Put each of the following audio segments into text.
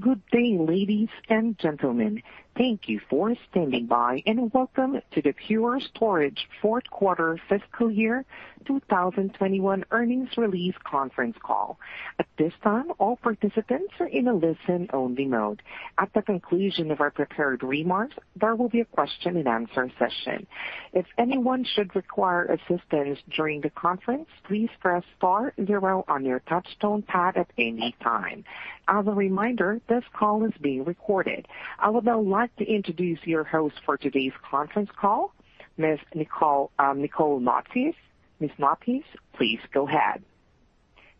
Good day, ladies and gentlemen. Thank you for standing by. Welcome to the Pure Storage fourth quarter fiscal year 2021 earnings release conference call. At this time, all participants are in a listen-only mode. At the conclusion of our prepared remarks, there will be a question and answer session. If anyone should require assistance during the conference, please press star zero on your touch tone pad at any time. As a reminder, this call is being recorded. I would now like to introduce your host for today's conference call, Ms. Nicole Noutsios. Ms. Noutsios, please go ahead.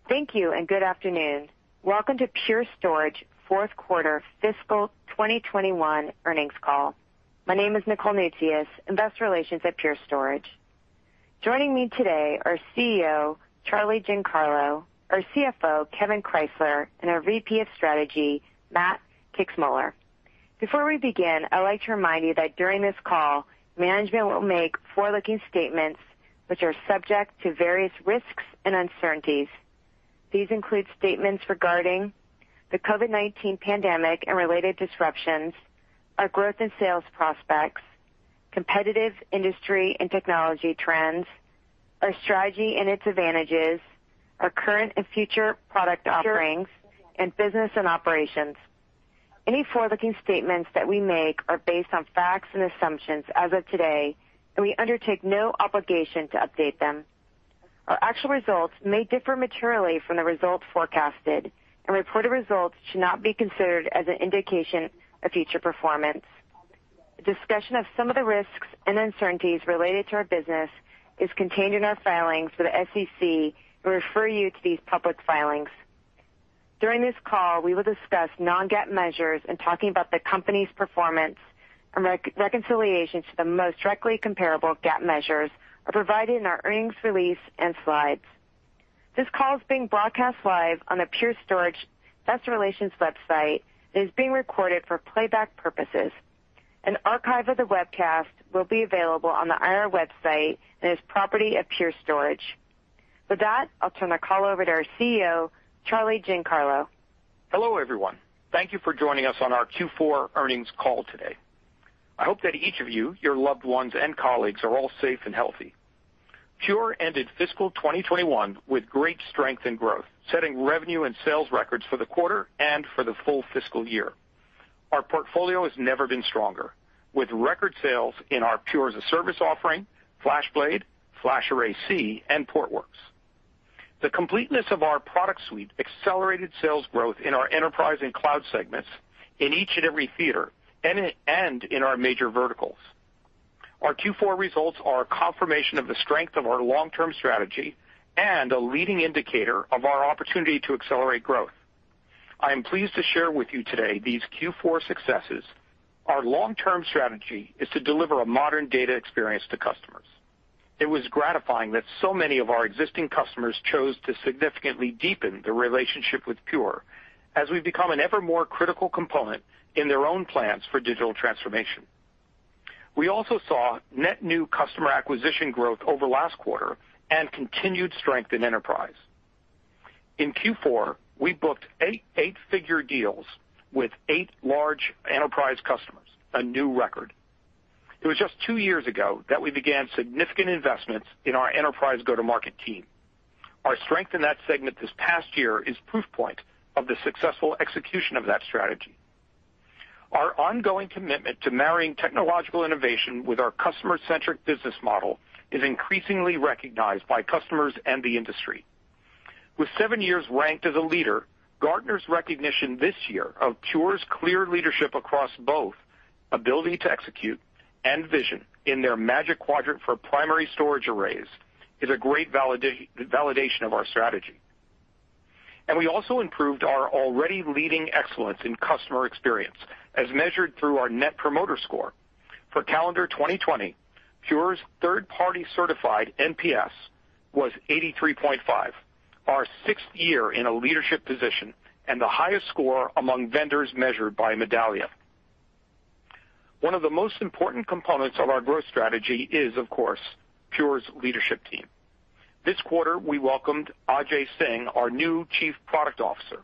Thank you and good afternoon. Welcome to Pure Storage fourth quarter fiscal 2021 earnings call. My name is Nicole Noutsios, investor relations at Pure Storage. Joining me today are CEO Charlie Giancarlo, our CFO Kevan Krysler, and our VP of Strategy, Matt Kixmoeller. Before we begin, I'd like to remind you that during this call, management will make forward-looking statements which are subject to various risks and uncertainties. These include statements regarding the COVID-19 pandemic and related disruptions, our growth in sales prospects, competitive industry and technology trends, our strategy and its advantages, our current and future product offerings, and business and operations. Any forward-looking statements that we make are based on facts and assumptions as of today, and we undertake no obligation to update them. Our actual results may differ materially from the results forecasted, and reported results should not be considered as an indication of future performance. A discussion of some of the risks and uncertainties related to our business is contained in our filings with the SEC. We refer you to these public filings. During this call, we will discuss non-GAAP measures in talking about the company's performance. Reconciliation to the most directly comparable GAAP measures are provided in our earnings release and slides. This call is being broadcast live on the Pure Storage Investor Relations website and is being recorded for playback purposes. An archive of the webcast will be available on the IR website and is property of Pure Storage. With that, I'll turn the call over to our CEO, Charlie Giancarlo. Hello, everyone. Thank you for joining us on our Q4 earnings call today. I hope that each of you, your loved ones, and colleagues are all safe and healthy. Pure ended fiscal 2021 with great strength and growth, setting revenue and sales records for the quarter and for the full fiscal year. Our portfolio has never been stronger, with record sales in our Pure as-a-Service offering, FlashBlade, FlashArray//C, and Portworx. The completeness of our product suite accelerated sales growth in our enterprise and cloud segments in each and every theater and in our major verticals. Our Q4 results are a confirmation of the strength of our long-term strategy and a leading indicator of our opportunity to accelerate growth. I am pleased to share with you today these Q4 successes. Our long-term strategy is to deliver a modern data experience to customers. It was gratifying that so many of our existing customers chose to significantly deepen their relationship with Pure as we've become an ever more critical component in their own plans for digital transformation. We also saw net new customer acquisition growth over last quarter and continued strength in enterprise. In Q4, we booked eight, eight-figure deals with eight large enterprise customers, a new record. It was just two years ago that we began significant investments in our enterprise go-to-market team. Our strength in that segment this past year is proof point of the successful execution of that strategy. Our ongoing commitment to marrying technological innovation with our customer-centric business model is increasingly recognized by customers and the industry. With seven years ranked as a leader, Gartner's recognition this year of Pure's clear leadership across both ability to execute and vision in their Magic Quadrant for primary storage arrays is a great validation of our strategy. We also improved our already leading excellence in customer experience as measured through our net promoter score. For calendar 2020, Pure's third-party certified NPS was 83.5, our 6th year in a leadership position and the highest score among vendors measured by Medallia. One of the most important components of our growth strategy is, of course, Pure's leadership team. This quarter, we welcomed Ajay Singh, our new Chief Product Officer.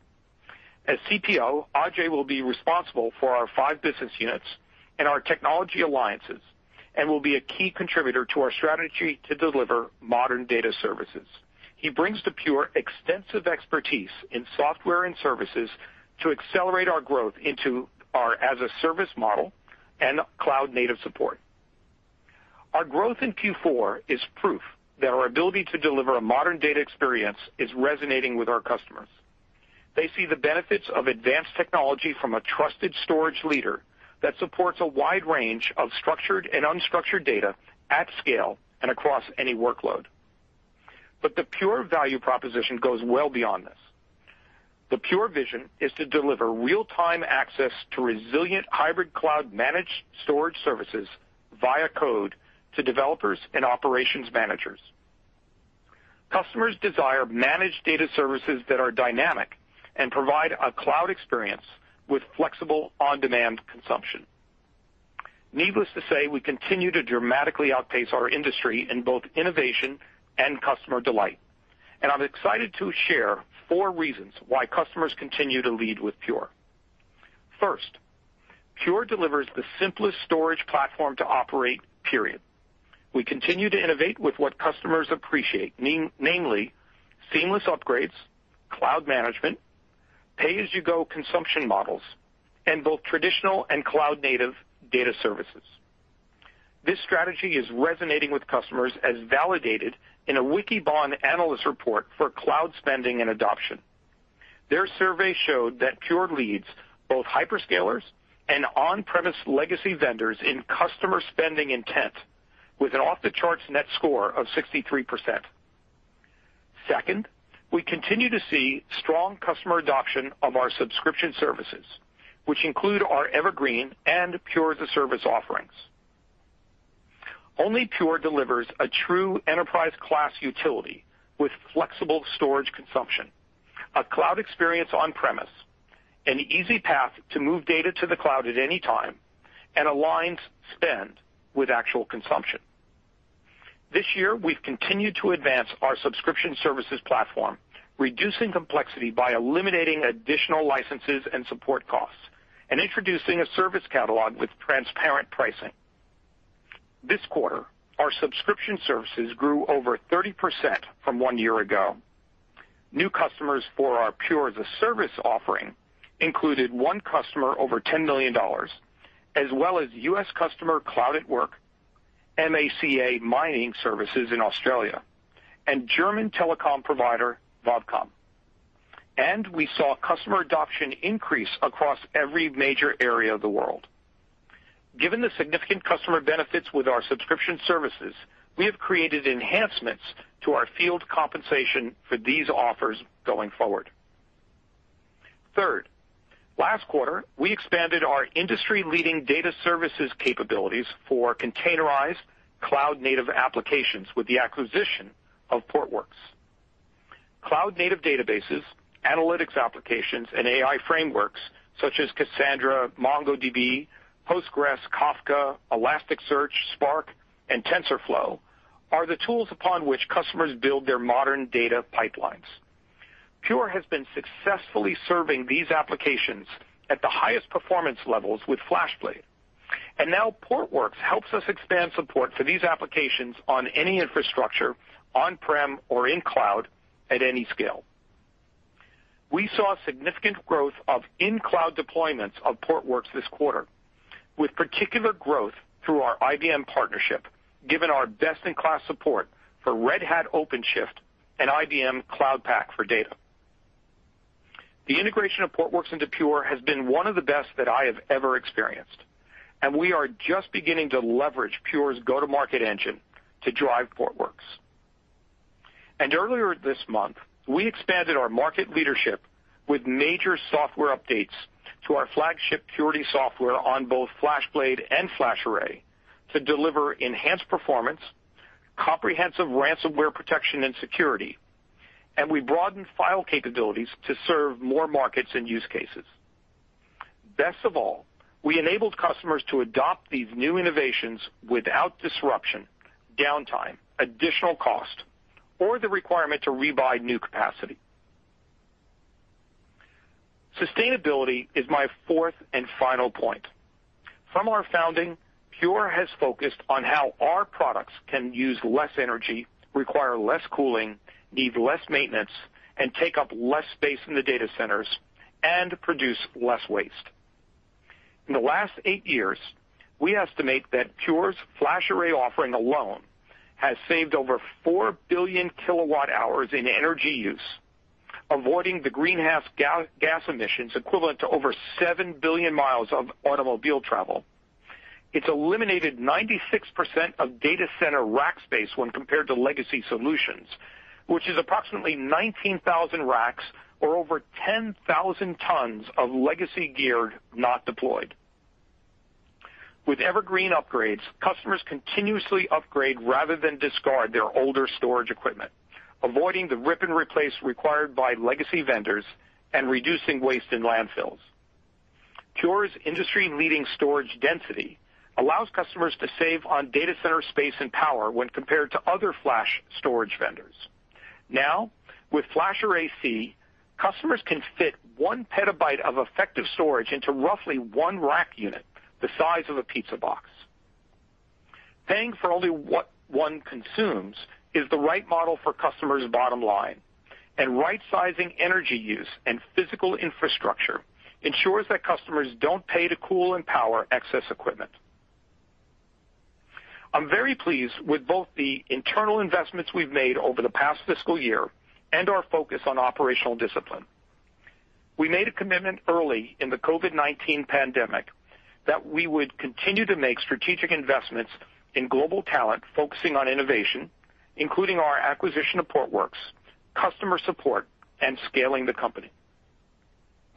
As CPO, Ajay will be responsible for our five business units and our technology alliances and will be a key contributor to our strategy to deliver modern data services. He brings to Pure extensive expertise in software and services to accelerate our growth into our as-a-Service model and cloud-native support. Our growth in Q4 is proof that our ability to deliver a modern data experience is resonating with our customers. They see the benefits of advanced technology from a trusted storage leader that supports a wide range of structured and unstructured data at scale and across any workload. The Pure value proposition goes well beyond this. The Pure vision is to deliver real-time access to resilient hybrid cloud-managed storage services via code to developers and operations managers. Customers desire managed data services that are dynamic and provide a cloud experience with flexible on-demand consumption. Needless to say, we continue to dramatically outpace our industry in both innovation and customer delight. I'm excited to share four reasons why customers continue to lead with Pure. First, Pure delivers the simplest storage platform to operate, period. We continue to innovate with what customers appreciate, namely seamless upgrades, cloud management, pay-as-you-go consumption models, and both traditional and cloud native data services. This strategy is resonating with customers as validated in a Wikibon analyst report for cloud spending and adoption. Their survey showed that Pure leads both hyperscalers and on-premise legacy vendors in customer spending intent with an off-the-charts net score of 63%. Second, we continue to see strong customer adoption of our subscription services, which include our Evergreen and Pure as-a-Service offerings. Only Pure delivers a true enterprise class utility with flexible storage consumption, a cloud experience on-premise, an easy path to move data to the cloud at any time, and aligns spend with actual consumption. This year, we've continued to advance our subscription services platform, reducing complexity by eliminating additional licenses and support costs and introducing a service catalog with transparent pricing. This quarter, our subscription services grew over 30% from one year ago. New customers for our Pure as-a-Service offering included one customer over $10 million, as well as U.S. customer Cloud at Work, MACA Mining Services in Australia, and German telecom provider, Vodafone. We saw customer adoption increase across every major area of the world. Given the significant customer benefits with our subscription services, we have created enhancements to our field compensation for these offers going forward. Third, last quarter, we expanded our industry-leading data services capabilities for containerized cloud native applications with the acquisition of Portworx. Cloud native databases, analytics applications, and AI frameworks such as Cassandra, MongoDB, Postgres, Kafka, Elasticsearch, Spark, and TensorFlow are the tools upon which customers build their modern data pipelines. Pure has been successfully serving these applications at the highest performance levels with FlashBlade. Now Portworx helps us expand support for these applications on any infrastructure, on-prem or in cloud at any scale. We saw significant growth of in-cloud deployments of Portworx this quarter, with particular growth through our IBM partnership, given our best-in-class support for Red Hat OpenShift and IBM Cloud Pak for Data. The integration of Portworx into Pure has been one of the best that I have ever experienced. We are just beginning to leverage Pure's go-to-market engine to drive Portworx. Earlier this month, we expanded our market leadership with major software updates to our flagship Purity software on both FlashBlade and FlashArray to deliver enhanced performance, comprehensive ransomware protection and security, and we broadened file capabilities to serve more markets and use cases. Best of all, we enabled customers to adopt these new innovations without disruption, downtime, additional cost, or the requirement to rebuy new capacity. Sustainability is my fourth and final point. From our founding, Pure has focused on how our products can use less energy, require less cooling, need less maintenance, and take up less space in the data centers and produce less waste. In the last eight years, we estimate that Pure's FlashArray offering alone has saved over 4 billion kilowatt hours in energy use, avoiding the greenhouse gas emissions equivalent to over 7 billion miles of automobile travel. It's eliminated 96% of data center rack space when compared to legacy solutions, which is approximately 19,000 racks or over 10,000 tons of legacy gear not deployed. With Evergreen upgrades, customers continuously upgrade rather than discard their older storage equipment, avoiding the rip and replace required by legacy vendors and reducing waste in landfills. Pure Storage's industry-leading storage density allows customers to save on data center space and power when compared to other flash storage vendors. Now, with FlashArray//C, customers can fit 1 PB of effective storage into roughly one rack unit the size of a pizza box. Paying for only what one consumes is the right model for customers' bottom line, and right-sizing energy use and physical infrastructure ensures that customers don't pay to cool and power excess equipment. I'm very pleased with both the internal investments we've made over the past fiscal year and our focus on operational discipline. We made a commitment early in the COVID-19 pandemic that we would continue to make strategic investments in global talent, focusing on innovation, including our acquisition of Portworx, customer support, and scaling the company.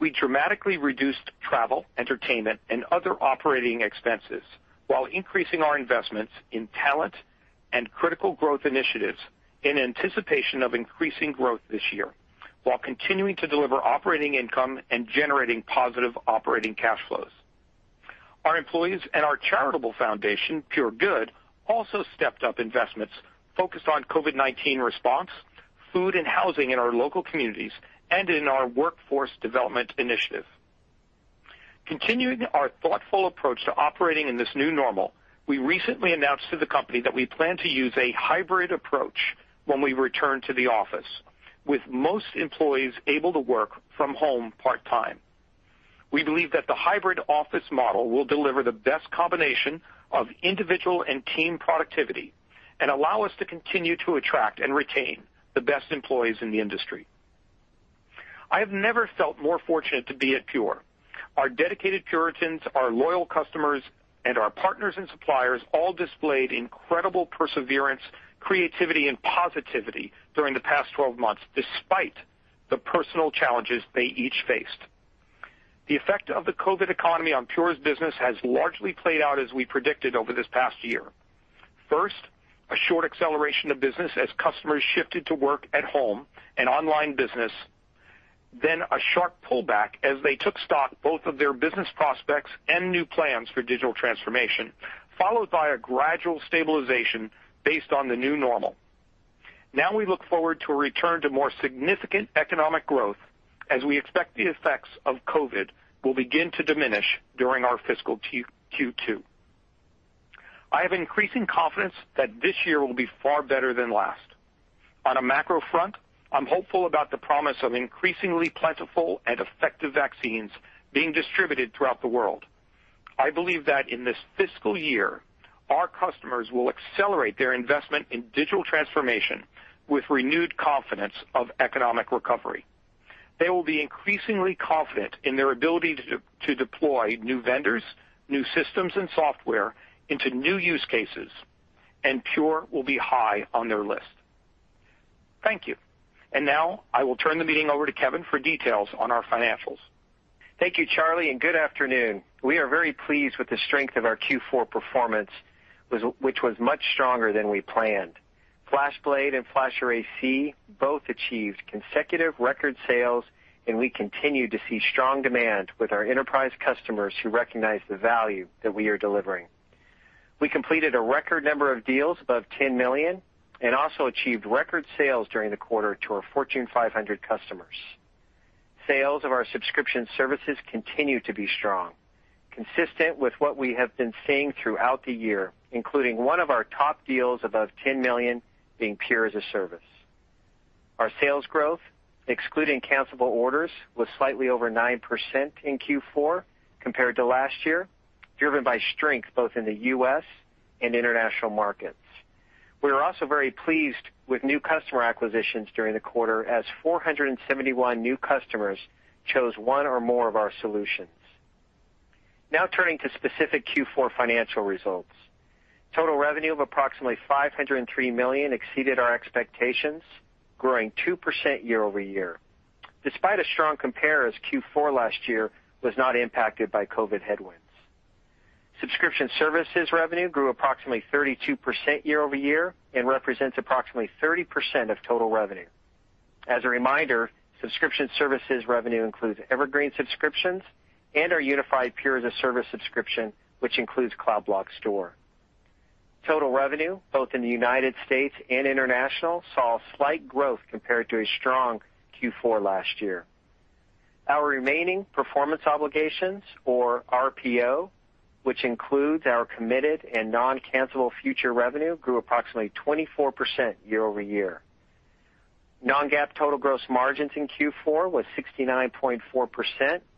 We dramatically reduced travel, entertainment, and other operating expenses while increasing our investments in talent and critical growth initiatives in anticipation of increasing growth this year. While continuing to deliver operating income and generating positive operating cash flows. Our employees and our charitable foundation, Pure Good, also stepped up investments focused on COVID-19 response, food and housing in our local communities, and in our workforce development initiative. Continuing our thoughtful approach to operating in this new normal, we recently announced to the company that we plan to use a hybrid approach when we return to the office, with most employees able to work from home part-time. We believe that the hybrid office model will deliver the best combination of individual and team productivity and allow us to continue to attract and retain the best employees in the industry. I have never felt more fortunate to be at Pure. Our dedicated Puritans, our loyal customers, and our partners and suppliers all displayed incredible perseverance, creativity and positivity during the past 12 months, despite the personal challenges they each faced. The effect of the COVID-19 economy on Pure's business has largely played out as we predicted over this past year. First, a short acceleration of business as customers shifted to work at home and online business, then a sharp pullback as they took stock both of their business prospects and new plans for digital transformation, followed by a gradual stabilization based on the new normal. Now we look forward to a return to more significant economic growth as we expect the effects of COVID-19 will begin to diminish during our fiscal Q2. I have increasing confidence that this year will be far better than last. On a macro front, I'm hopeful about the promise of increasingly plentiful and effective vaccines being distributed throughout the world. I believe that in this fiscal year, our customers will accelerate their investment in digital transformation with renewed confidence of economic recovery. They will be increasingly confident in their ability to deploy new vendors, new systems and software into new use cases. Pure will be high on their list. Thank you. Now I will turn the meeting over to Kevan for details on our financials. Thank you, Charlie, and good afternoon. We are very pleased with the strength of our Q4 performance, which was much stronger than we planned. FlashBlade and FlashArray//C both achieved consecutive record sales, and we continue to see strong demand with our enterprise customers who recognize the value that we are delivering. We completed a record number of deals above $10 million and also achieved record sales during the quarter to our Fortune 500 customers. Sales of our subscription services continue to be strong, consistent with what we have been seeing throughout the year, including one of our top deals above $10 million being Pure as-a-Service. Our sales growth, excluding cancellable orders, was slightly over 9% in Q4 compared to last year, driven by strength both in the U.S. and international markets. We are also very pleased with new customer acquisitions during the quarter as 471 new customers chose one or more of our solutions. Turning to specific Q4 financial results. Total revenue of approximately $503 million exceeded our expectations, growing 2% year-over-year, despite a strong compare as Q4 last year was not impacted by COVID headwinds. Subscription services revenue grew approximately 32% year-over-year and represents approximately 30% of total revenue. As a reminder, subscription services revenue includes Evergreen subscriptions and our unified Pure as-a-Service subscription, which includes Cloud Block Store. Total revenue, both in the U.S. and international, saw slight growth compared to a strong Q4 last year. Our remaining performance obligations, or RPO, which includes our committed and non-cancelable future revenue, grew approximately 24% year-over-year. Non-GAAP total gross margins in Q4 was 69.4%,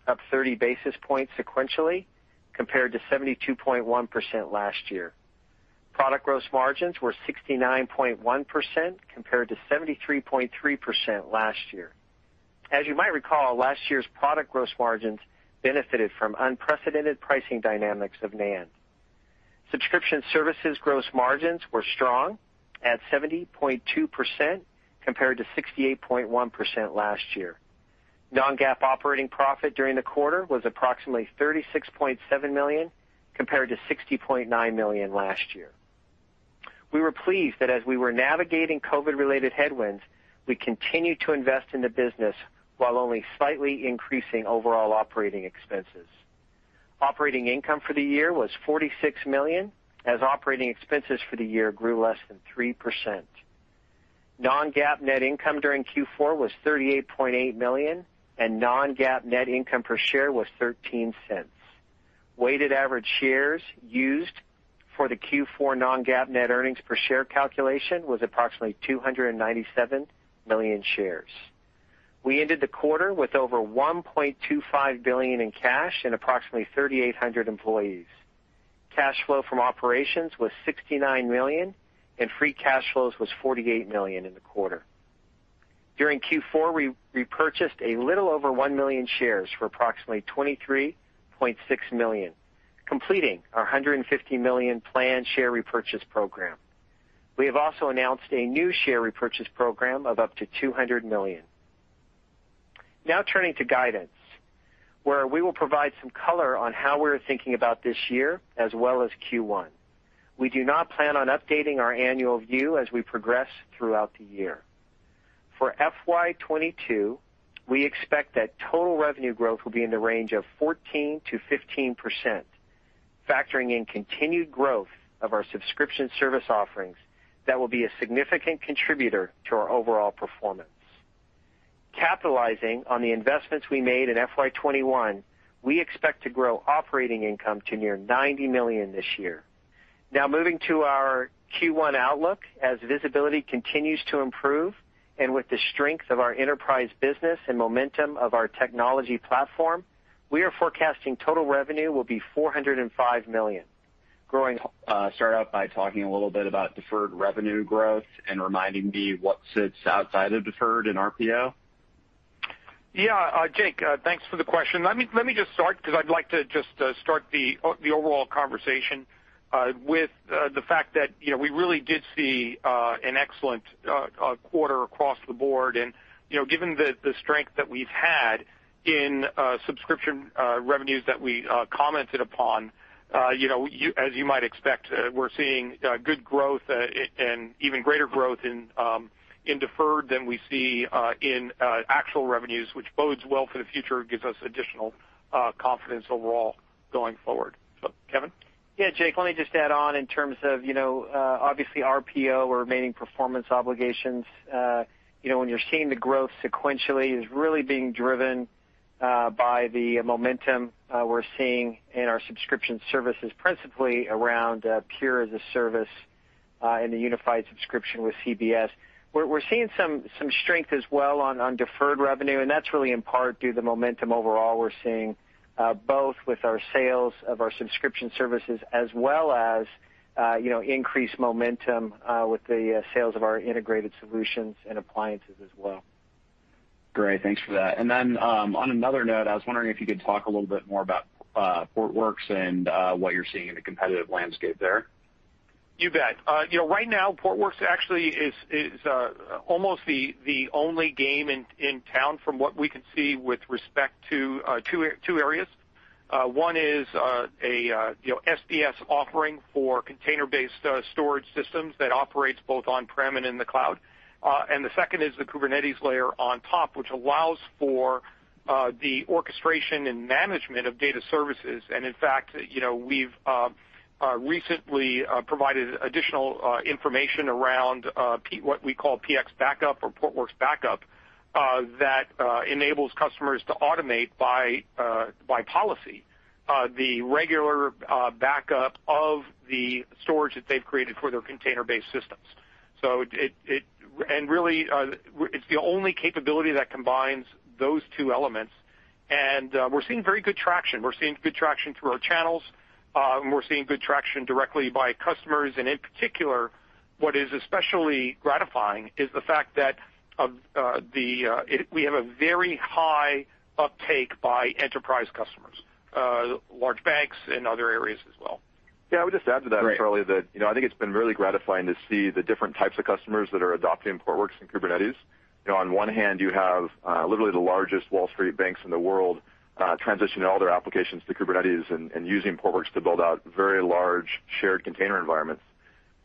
up 30 basis points sequentially, compared to 72.1% last year. Product gross margins were 69.1% compared to 73.3% last year. As you might recall, last year's product gross margins benefited from unprecedented pricing dynamics of NAND. Subscription services gross margins were strong at 70.2% compared to 68.1% last year. Non-GAAP operating profit during the quarter was approximately $36.7 million compared to $60.9 million last year. We were pleased that as we were navigating COVID-related headwinds, we continued to invest in the business while only slightly increasing overall operating expenses. Operating income for the year was $46 million, as operating expenses for the year grew less than 3%. Non-GAAP net income during Q4 was $38.8 million, and non-GAAP net income per share was $0.13. Weighted average shares used for the Q4 non-GAAP net earnings per share calculation was approximately 297 million shares. We ended the quarter with over $1.25 billion in cash and approximately 3,800 employees. Cash flow from operations was $69 million, and free cash flows was $48 million in the quarter. During Q4, we repurchased a little over 1 million shares for approximately $23.6 million, completing our $150 million planned share repurchase program. We have also announced a new share repurchase program of up to $200 million. Now turning to guidance, where we will provide some color on how we're thinking about this year as well as Q1. We do not plan on updating our annual view as we progress throughout the year. For FY 2022, we expect that total revenue growth will be in the range of 14%-15%, factoring in continued growth of our subscription service offerings that will be a significant contributor to our overall performance. Capitalizing on the investments we made in FY 2021, we expect to grow operating income to near $90 million this year. Now moving to our Q1 outlook, as visibility continues to improve and with the strength of our enterprise business and momentum of our technology platform, we are forecasting total revenue will be $405 million. start out by talking a little bit about deferred revenue growth and reminding me what sits outside of deferred in RPO. Yeah, Jake, thanks for the question. Let me just start because I'd like to just start the overall conversation with the fact that, you know, we really did see an excellent quarter across the board. You know, given the strength that we've had in subscription revenues that we commented upon, you know, as you might expect, we're seeing good growth and even greater growth in deferred than we see in actual revenues, which bodes well for the future, gives us additional confidence overall going forward. Kevan? Yeah, Jake, let me just add on in terms of, you know, obviously RPO or remaining performance obligations. You know, when you're seeing the growth sequentially is really being driven by the momentum we're seeing in our subscription services, principally around Pure as-a-Service in the unified subscription with CBS. We're seeing some strength as well on deferred revenue, that's really in part due to the momentum overall we're seeing, both with our sales of our subscription services as well as, you know, increased momentum with the sales of our integrated solutions and appliances as well. Great. Thanks for that. Then, on another note, I was wondering if you could talk a little bit more about Portworx and what you're seeing in the competitive landscape there. You bet. You know, right now, Portworx actually is almost the only game in town from what we can see with respect to two areas. One is a, you know, SDS offering for container-based storage systems that operates both on-prem and in the cloud. The second is the Kubernetes layer on top, which allows for the orchestration and management of data services. In fact, you know, we've recently provided additional information around P what we call PX Backup or Portworx Backup that enables customers to automate by policy the regular backup of the storage that they've created for their container-based systems. Really, it's the only capability that combines those two elements. We're seeing very good traction. We're seeing good traction through our channels, and we're seeing good traction directly by customers. In particular, what is especially gratifying is the fact that we have a very high uptake by enterprise customers, large banks and other areas as well. Yeah. I would just add to that, Charlie. Great That, you know, I think it's been really gratifying to see the different types of customers that are adopting Portworx and Kubernetes. You know, on one hand, you have literally the largest Wall Street banks in the world, transition all their applications to Kubernetes and using Portworx to build out very large shared container environments.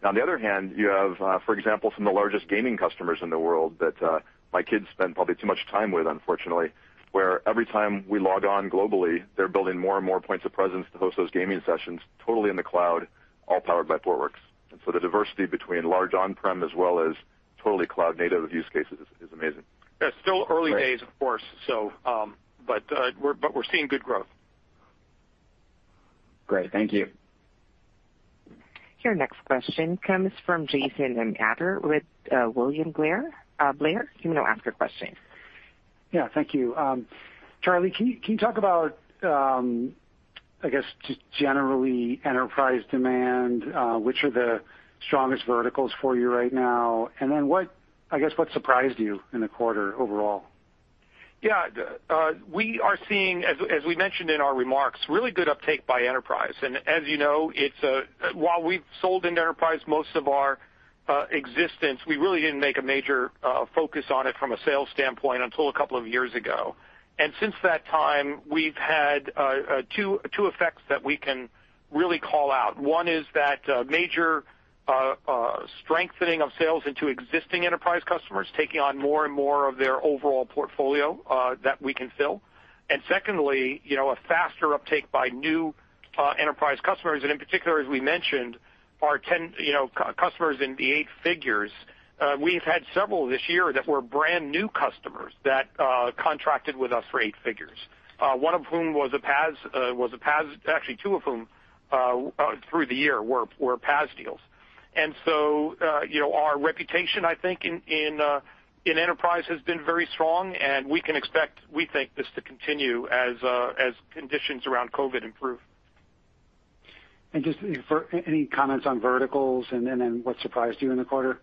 On the other hand, you have, for example, some of the largest gaming customers in the world that my kids spend probably too much time with, unfortunately, where every time we log on globally, they're building more and more points of presence to host those gaming sessions totally in the cloud, all powered by Portworx. The diversity between large on-prem as well as totally cloud-native use cases is amazing. Yeah. Still early days. Great of course. We're seeing good growth. Great. Thank you. Your next question comes from Jason Ader with William Blair. Blair, you can now ask your question. Thank you. Charlie, can you talk about, I guess, just generally enterprise demand, which are the strongest verticals for you right now? What surprised you in the quarter overall? Yeah. As we mentioned in our remarks, really good uptake by enterprise. As you know, it's While we've sold into enterprise most of our existence, we really didn't make a major focus on it from a sales standpoint until a couple of years ago. Since that time, we've had two effects that we can really call out. One is that major strengthening of sales into existing enterprise customers, taking on more and more of their overall portfolio that we can fill. Secondly, you know, a faster uptake by new enterprise customers, and in particular, as we mentioned, our 10, you know, customers in the eight figures. We've had several this year that were brand-new customers that contracted with us for eight figures, one of whom was a PaaS. Actually, two of them through the year were PaaS deals. You know, our reputation, I think, in enterprise has been very strong, and we can expect, we think, this to continue as conditions around COVID improve. Just for any comments on verticals and what surprised you in the quarter?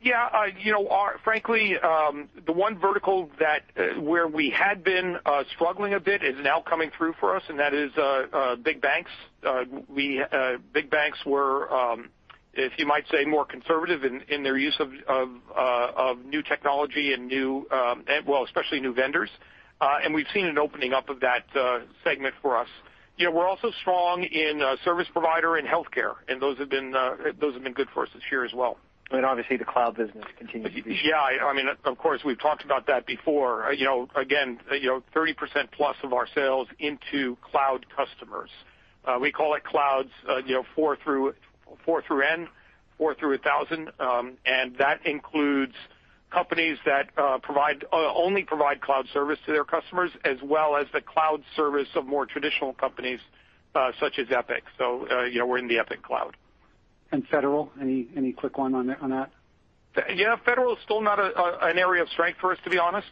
Yeah. You know, frankly, the one vertical that where we had been struggling a bit is now coming through for us, and that is big banks. We, big banks were, if you might say, more conservative in their use of new technology and new, well, especially new vendors. We've seen an opening up of that segment for us. You know, we're also strong in service provider and healthcare, and those have been good for us this year as well. Obviously the cloud business continues to be. I mean, of course, we've talked about that before. You know, again, you know, 30% plus of our sales into cloud customers. We call it clouds, you know, four through N, four through 1,000, and that includes companies that only provide cloud service to their customers, as well as the cloud service of more traditional companies, such as Epic. You know, we're in the Epic cloud. Federal, any quick one on that? Yeah, federal is still not an area of strength for us, to be honest.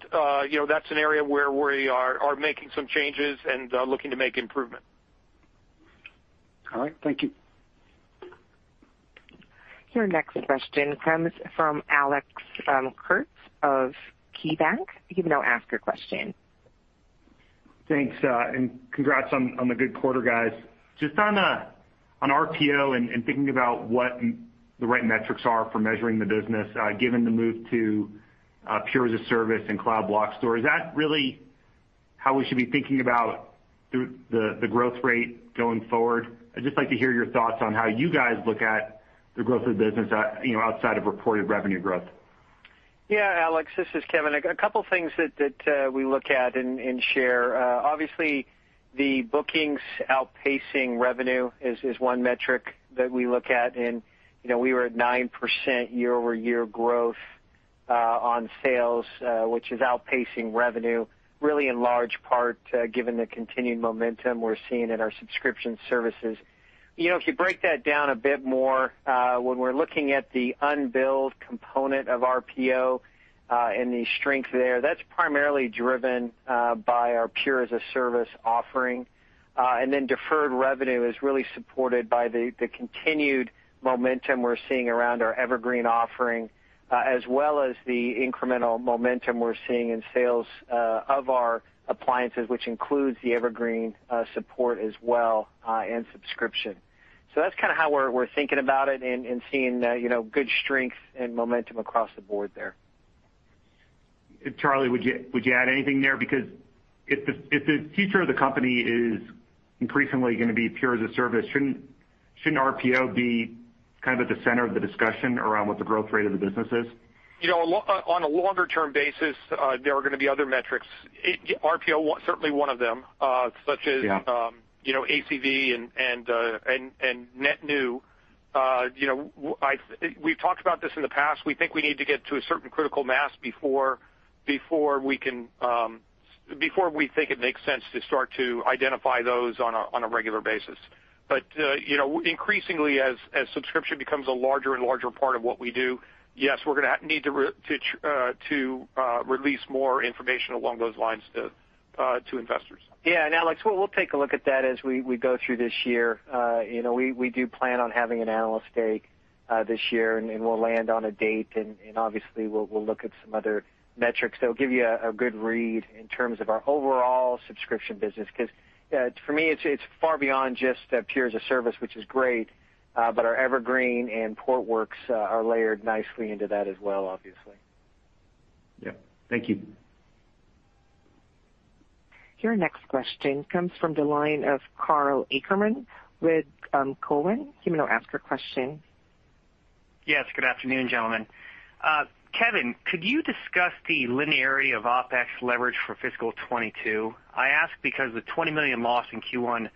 You know, that's an area where we are making some changes and looking to make improvement. All right. Thank you. Your next question comes from Alex Kurtz of KeyBanc. You may now ask your question. Thanks, and congrats on the good quarter, guys. Just on RPO and thinking about what the right metrics are for measuring the business, given the move to Pure as-a-Service and Cloud Block Store, is that really how we should be thinking about the growth rate going forward? I'd just like to hear your thoughts on how you guys look at the growth of the business, you know, outside of reported revenue growth. Yeah, Alex, this is Kevan. A couple things that we look at and share. Obviously the bookings outpacing revenue is one metric that we look at. You know, we were at 9% year-over-year growth on sales, which is outpacing revenue really in large part, given the continued momentum we're seeing in our subscription services. You know, if you break that down a bit more, when we're looking at the unbilled component of RPO, and the strength there, that's primarily driven by our Pure as-a-Service offering. Deferred revenue is really supported by the continued momentum we're seeing around our Evergreen offering, as well as the incremental momentum we're seeing in sales of our appliances, which includes the Evergreen support as well, and subscription. That's kind of how we're thinking about it and seeing, you know, good strength and momentum across the board there. Charlie, would you add anything there? Because if the future of the company is increasingly gonna be Pure as-a-Service, shouldn't RPO be kind of at the center of the discussion around what the growth rate of the business is? You know, on a longer term basis, there are gonna be other metrics. RPO was certainly one of them, such as. Yeah You know, ACV and net new. you know, we've talked about this in the past. We think we need to get to a certain critical mass before we can, before we think it makes sense to start to identify those on a regular basis. you know, increasingly as subscription becomes a larger and larger part of what we do, yes, we're gonna need to release more information along those lines to investors. Yeah. Alex, we'll take a look at that as we go through this year. You know, we do plan on having an analyst day this year, and we'll land on a date, and obviously we'll look at some other metrics that will give you a good read in terms of our overall subscription business. 'Cause for me, it's far beyond just Pure as-a-Service, which is great, but our Evergreen and Portworx are layered nicely into that as well, obviously. Yeah. Thank you. Your next question comes from the line of Karl Ackerman with Cowen. You may now ask your question. Yes. Good afternoon, gentlemen. Kevan, could you discuss the linearity of OpEx leverage for FY 2022? I ask because the $20 million loss in Q1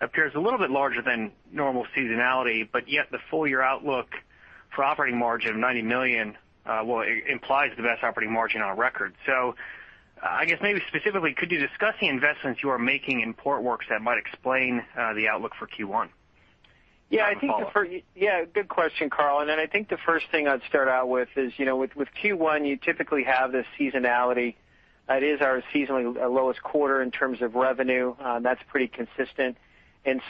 appears a little bit larger than normal seasonality, but yet the full year outlook for operating margin of $90 million, well, implies the best operating margin on record. I guess maybe specifically, could you discuss the investments you are making in Portworx that might explain the outlook for Q1? Yeah. Follow up. Yeah. Good question, Karl. I think the first thing I'd start out with is with Q1, you typically have this seasonality. That is our seasonally lowest quarter in terms of revenue, that's pretty consistent.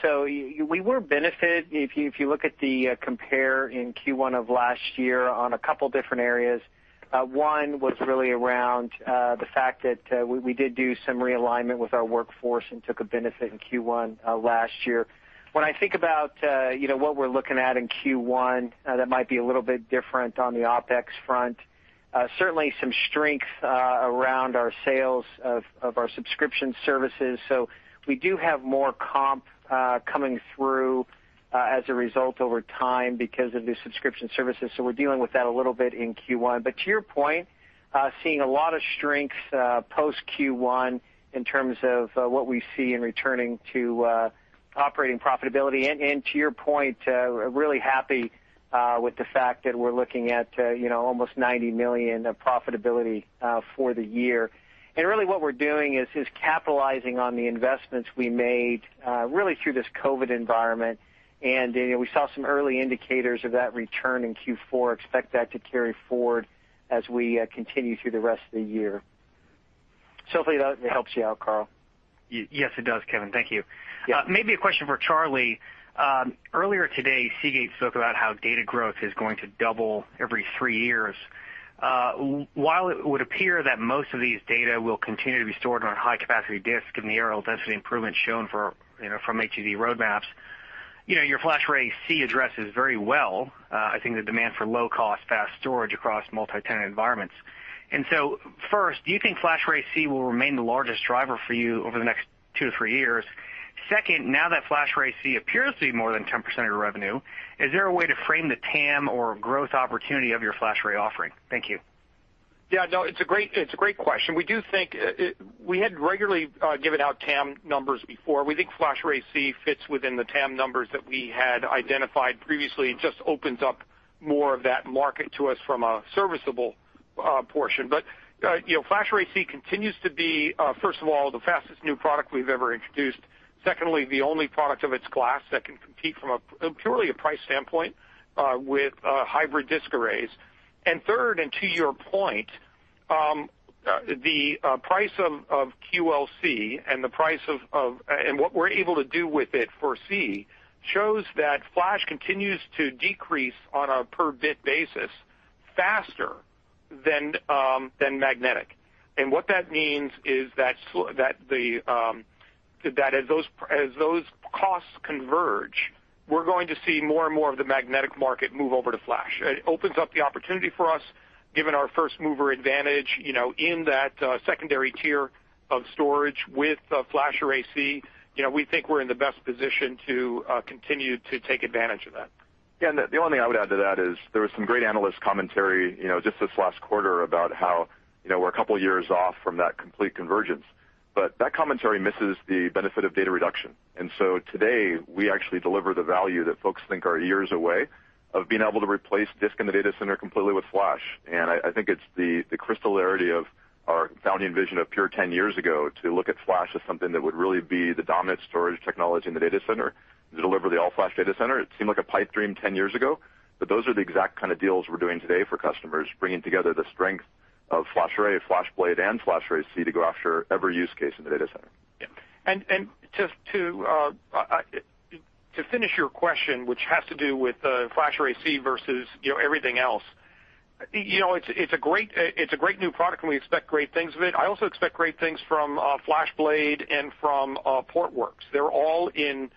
We were benefited, if you, if you look at the compare in Q1 of last year on a couple different areas, one was really around the fact that we did do some realignment with our workforce and took a benefit in Q1 last year. When I think about what we're looking at in Q1 that might be a little bit different on the OpEx front. Certainly some strength around our sales of our subscription services. We do have more comp coming through as a result over time because of the subscription services. We're dealing with that a little bit in Q1. To your point, seeing a lot of strength post Q1 in terms of what we see in returning to operating profitability. To your point, really happy with the fact that we're looking at, you know, almost $90 million of profitability for the year. Really what we're doing is capitalizing on the investments we made really through this COVID environment. You know, we saw some early indicators of that return in Q4. Expect that to carry forward as we continue through the rest of the year. Hopefully that helps you out, Karl. Yes, it does, Kevan. Thank you. Yeah. Maybe a question for Charlie. Earlier today, Seagate spoke about how data growth is going to double every three years. While it would appear that most of these data will continue to be stored on high-capacity disk given the areal density improvements shown for from HDD roadmaps, your FlashArray//C addresses very well, I think the demand for low-cost fast storage across multi-tenant environments. First, do you think FlashArray//C will remain the largest driver for you over the next 2-3 years? Second, now that FlashArray//C appears to be more than 10% of your revenue, is there a way to frame the TAM or growth opportunity of your FlashArray offering? Thank you. Yeah, no, it's a great, it's a great question. We do think We had regularly given out TAM numbers before. We think FlashArray//C fits within the TAM numbers that we had identified previously. It just opens up more of that market to us from a serviceable portion. You know, FlashArray//C continues to be first of all, the fastest new product we've ever introduced. Secondly, the only product of its class that can compete from purely a price standpoint with hybrid disk arrays. Third, to your point, the price of QLC and what we're able to do with it for C shows that flash continues to decrease on a per bit basis faster than magnetic. What that means is that the, that as those costs converge, we're going to see more and more of the magnetic market move over to flash. It opens up the opportunity for us given our first mover advantage, you know, in that secondary tier of storage with FlashArray//C. You know, we think we're in the best position to continue to take advantage of that. The only thing I would add to that is there was some great analyst commentary, you know, just this last quarter about how, you know, we're a couple years off from that complete convergence. That commentary misses the benefit of data reduction. Today, we actually deliver the value that folks think are years away of being able to replace disk in the data center completely with flash. I think it's the crystallization of our founding vision of Pure 10 years ago to look at flash as something that would really be the dominant storage technology in the data center to deliver the all-flash data center. It seemed like a pipe dream 10 years ago, but those are the exact kind of deals we're doing today for customers, bringing together the strength of FlashArray, FlashBlade, and FlashArray//C to go after every use case in the data center. Just to finish your question, which has to do with FlashArray//C versus, you know, everything else. You know, it's a great new product, and we expect great things of it. I also expect great things from FlashBlade and from Portworx. They're all in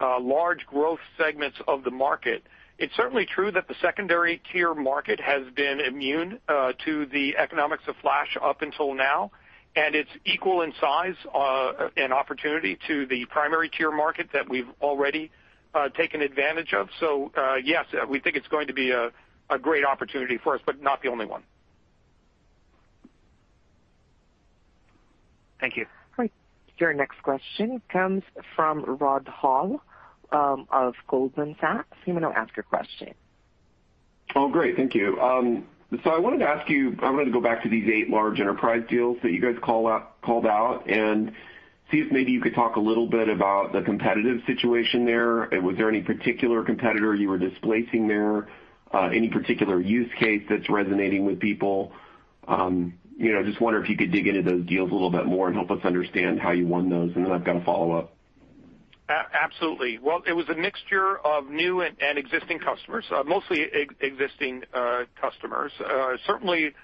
large growth segments of the market. It's certainly true that the secondary tier market has been immune to the economics of flash up until now, and it's equal in size and opportunity to the primary tier market that we've already taken advantage of. Yes, we think it's going to be a great opportunity for us, but not the only one. Thank you. Great. Your next question comes from Rod Hall, of Goldman Sachs. You may now ask your question. Oh, great. Thank you. I wanted to ask you, I wanted to go back to these 8 large enterprise deals that you guys call out, called out and see if maybe you could talk a little bit about the competitive situation there. Was there any particular competitor you were displacing there? Any particular use case that's resonating with people? You know, I just wonder if you could dig into those deals a little bit more and help us understand how you won those. I've got a follow-up. Absolutely. Well, it was a mixture of new and existing customers, mostly existing customers. Certainly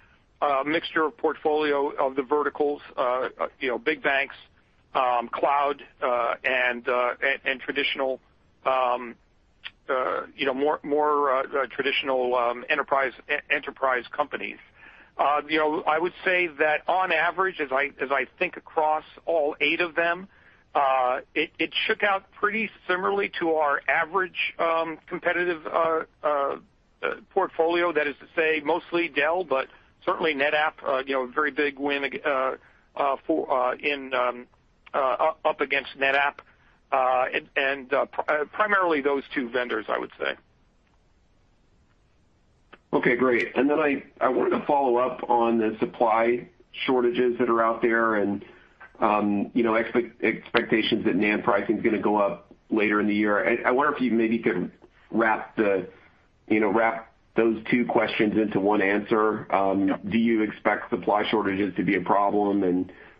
a mixture of portfolio of the verticals, you know, big banks, cloud, and traditional, you know, more traditional enterprise companies. You know, I would say that on average, as I think across all eight of them, it shook out pretty similarly to our average competitive portfolio. That is to say mostly Dell, but certainly NetApp, you know, a very big win for in up against NetApp, and primarily those two vendors, I would say. Okay, great. Then I wanted to follow up on the supply shortages that are out there and, you know, expectations that NAND pricing is gonna go up later in the year. I wonder if you maybe could wrap the, you know, wrap those two questions into one answer. Yep. Do you expect supply shortages to be a problem?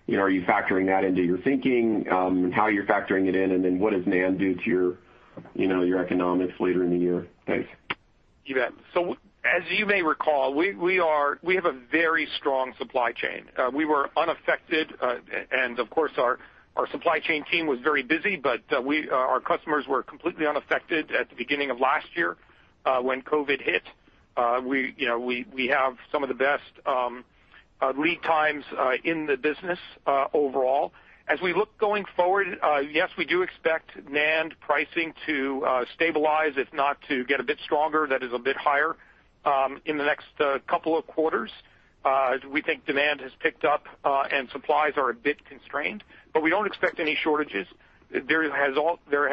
You know, are you factoring that into your thinking? How you're factoring it in, what does NAND do to your, you know, your economics later in the year? Thanks. You bet. As you may recall, we have a very strong supply chain. We were unaffected, and of course our supply chain team was very busy, but our customers were completely unaffected at the beginning of last year, when COVID-19 hit. We, you know, we have some of the best lead times in the business overall. As we look going forward, yes, we do expect NAND pricing to stabilize, if not to get a bit stronger, that is a bit higher, in the next couple of quarters. We think demand has picked up, and supplies are a bit constrained, but we don't expect any shortages. There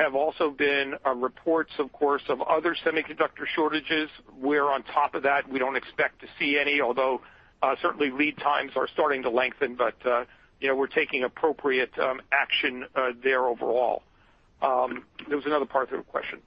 have also been reports, of course, of other semiconductor shortages. We're on top of that. We don't expect to see any, although certainly lead times are starting to lengthen, but, you know, we're taking appropriate action there overall. There was another part to the question.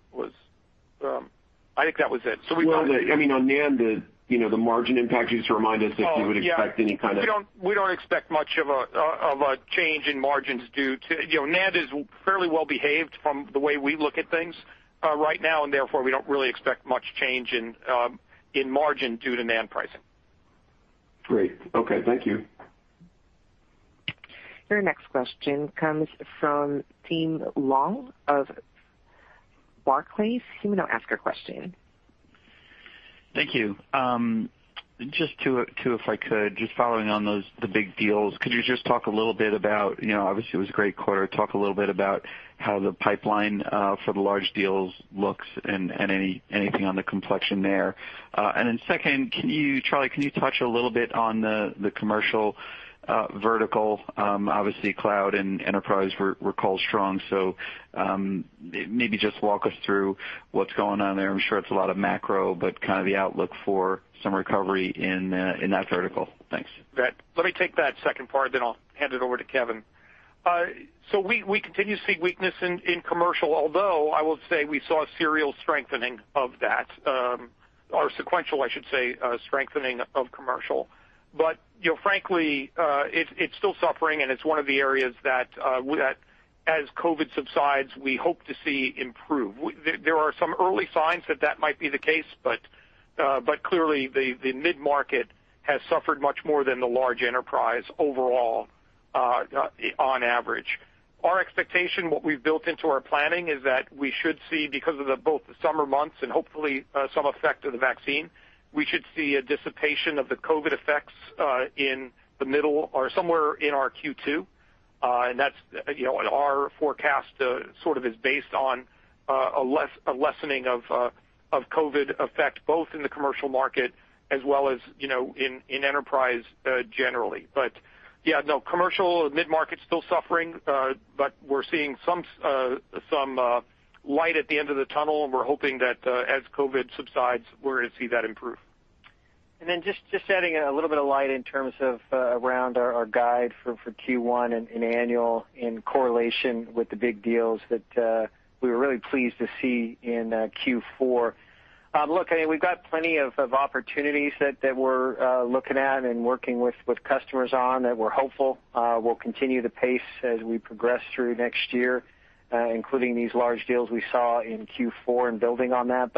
I think that was it. We've got. Well, I mean, on NAND, the, you know, the margin impact, you just remind us if you would expect any kind of? Oh, yeah. We don't expect much of a change in margins due to You know, NAND is fairly well behaved from the way we look at things, right now. Therefore, we don't really expect much change in margin due to NAND pricing. Great. Okay. Thank you. Your next question comes from Tim Long of Barclays. You may now ask your question. Thank you. Just two if I could, just following on those, the big deals. Could you just talk a little bit about, you know, obviously it was a great quarter. Talk a little bit about how the pipeline for the large deals looks and anything on the complexion there. Second, Charlie, can you touch a little bit on the commercial vertical? Obviously cloud and enterprise were called strong, so maybe just walk us through what's going on there. I'm sure it's a lot of macro, but kind of the outlook for some recovery in that vertical. Thanks. Great. Let me take that second part, then I'll hand it over to Kevan. We continue to see weakness in commercial, although I will say we saw a serial strengthening of that, or sequential, I should say, strengthening of commercial. You know, frankly, it's still suffering, and it's one of the areas that as COVID subsides, we hope to see improve. There are some early signs that that might be the case, but clearly the mid-market has suffered much more than the large enterprise overall on average. Our expectation, what we've built into our planning, is that we should see because of the both the summer months and hopefully, some effect of the vaccine, we should see a dissipation of the COVID effects in the middle or somewhere in our Q2. And that's, you know, our forecast sort of is based on a lessening of COVID effect, both in the commercial market as well as, you know, in enterprise generally. Yeah, no commercial mid-market's still suffering, but we're seeing some light at the end of the tunnel, and we're hoping that as COVID subsides, we're gonna see that improve. Just adding a little bit of light in terms of around our guide for Q1 and annual in correlation with the big deals that we were really pleased to see in Q4. Look, I mean, we've got plenty of opportunities that we're looking at and working with customers on that we're hopeful will continue the pace as we progress through next year, including these large deals we saw in Q4 and building on that.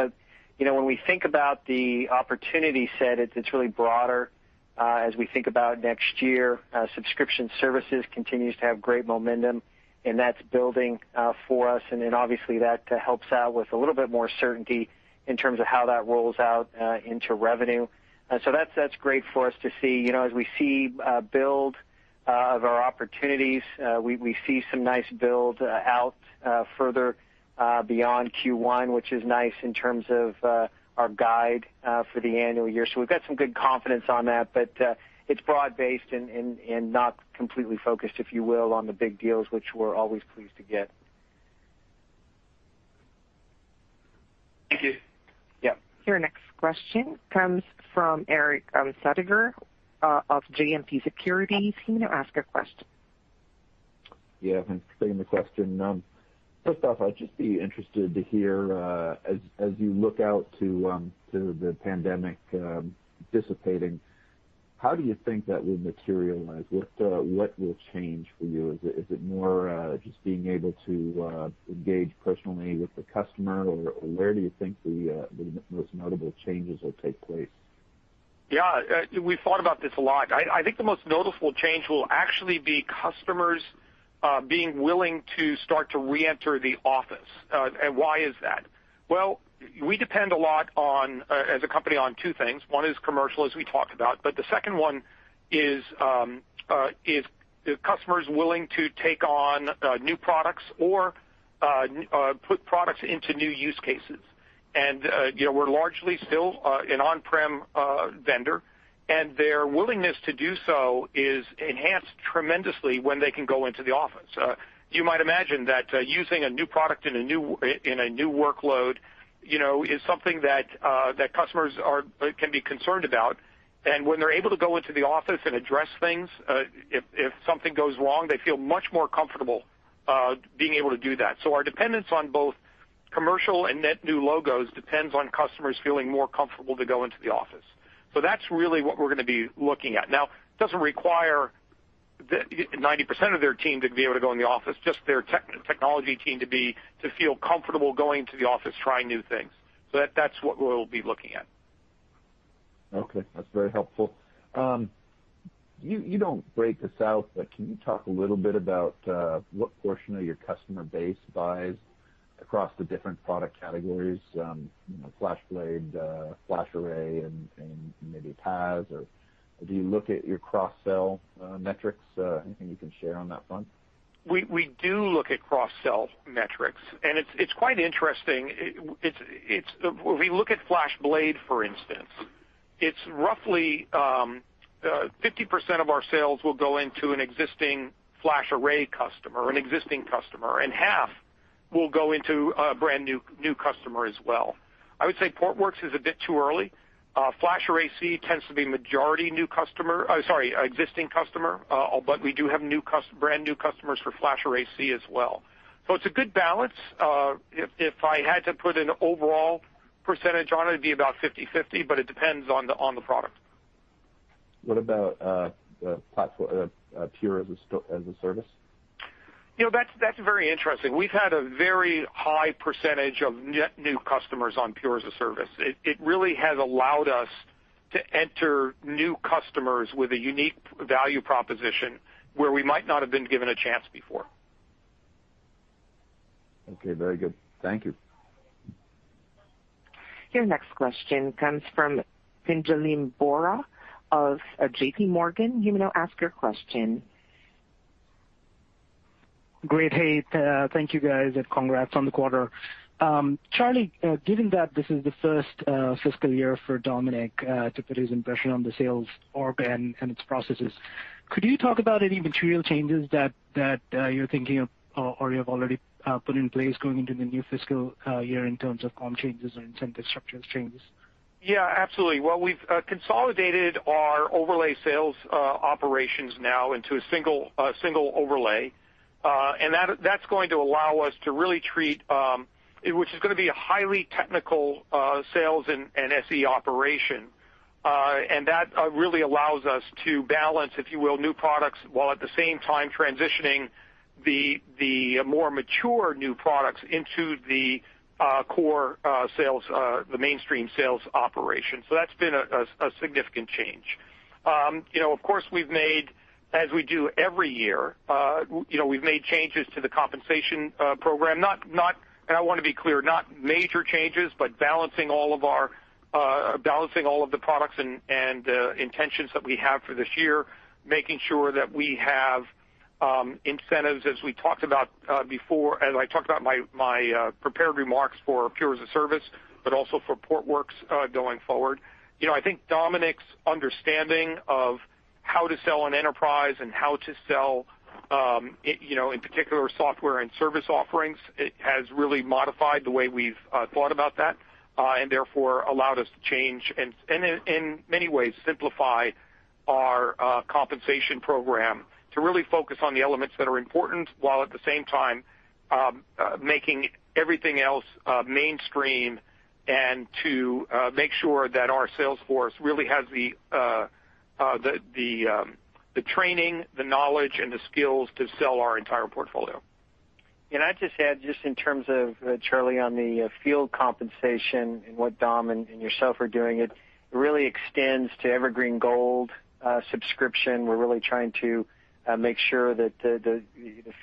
You know, when we think about the opportunity set, it's really broader as we think about next year. Subscription services continues to have great momentum, and that's building for us. Obviously that helps out with a little bit more certainty in terms of how that rolls out into revenue. That's, that's great for us to see. You know, as we see build of our opportunities, we see some nice build out further beyond Q1, which is nice in terms of our guide for the annual year. We've got some good confidence on that, but it's broad-based and not completely focused, if you will, on the big deals, which we're always pleased to get. Thank you. Yeah. Your next question comes from Erik Suppiger of JMP Securities. You may now ask your question. Yeah, thanks for taking the question. First off, I'd just be interested to hear, as you look out to the pandemic dissipating, how do you think that will materialize? What will change for you? Is it more just being able to engage personally with the customer? Where do you think the most notable changes will take place? Yeah. We've thought about this a lot. I think the most notable change will actually be customers being willing to start to reenter the office. Why is that? Well, we depend a lot on as a company on two things. One is commercial, as we talked about, but the second one is customers willing to take on new products or put products into new use cases. You know, we're largely still an on-prem vendor, and their willingness to do so is enhanced tremendously when they can go into the office. You might imagine that using a new product in a new workload, you know, is something that customers are can be concerned about. When they're able to go into the office and address things, if something goes wrong, they feel much more comfortable being able to do that. Our dependence on both commercial and net new logos depends on customers feeling more comfortable to go into the office. That's really what we're gonna be looking at. Now, it doesn't require 90% of their team to be able to go in the office, just their technology team to feel comfortable going to the office trying new things. That's what we'll be looking at. Okay. That's very helpful. You don't break this out, but can you talk a little bit about what portion of your customer base buys across the different product categories, you know, FlashBlade, FlashArray, and maybe PAS, or do you look at your cross-sell metrics? Anything you can share on that front? We do look at cross-sell metrics. It's quite interesting. If we look at FlashBlade, for instance, it's roughly 50% of our sales will go into an existing FlashArray customer or an existing customer. Half will go into a brand new customer as well. I would say Portworx is a bit too early. FlashArray//C tends to be majority new customer. Sorry, existing customer. We do have brand new customers for FlashArray//C as well. It's a good balance. If I had to put an overall percentage on it'd be about 50-50, but it depends on the product. What about the platform, Pure as-a-Service? You know, that's very interesting. We've had a very high percentage of net new customers on Pure as-a-Service. It really has allowed us to enter new customers with a unique value proposition where we might not have been given a chance before. Okay, very good. Thank you. Your next question comes from Pinjalim Bora of JPMorgan. You may now ask your question. Great. Hey, thank you guys, and congrats on the quarter. Charlie, given that this is the 1st fiscal year for Dominick to put his impression on the sales org and its processes, could you talk about any material changes that you're thinking of or you have already put in place going into the new fiscal year in terms of comm changes or incentive structures changes? Yeah, absolutely. Well, we've consolidated our overlay sales operations now into a single overlay. And that's going to allow us to really treat, which is gonna be a highly technical sales and SE operation. And that really allows us to balance, if you will, new products, while at the same time transitioning the more mature new products into the core sales, the mainstream sales operation. That's been a significant change. You know, of course, we've made, as we do every year, you know, we've made changes to the compensation program, not, and I wanna be clear, not major changes, but balancing all of our, balancing all of the products and intentions that we have for this year, making sure that we have incentives as we talked about before, as I talked about my prepared remarks for Pure as-a-Service, but also for Portworx going forward. You know, I think Dominick's understanding of how to sell an enterprise and how to sell, you know, in particular software and service offerings, it has really modified the way we've thought about that, therefore allowed us to change and in many ways simplify our compensation program to really focus on the elements that are important, while at the same time making everything else mainstream and to make sure that our sales force really has the training, the knowledge, and the skills to sell our entire portfolio. I'd just add just in terms of, Charlie, on the field compensation and what Dom and yourself are doing, it really extends to Evergreen Gold subscription. We're really trying to make sure that the